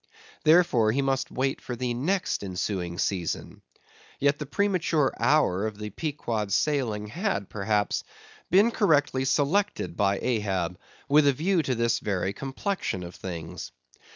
Therefore, he must wait for the next ensuing season. Yet the premature hour of the Pequod's sailing had, perhaps, been correctly selected by Ahab, with a view to this very complexion of things.